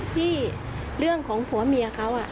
ที่เรื่องของผัวเมียเขา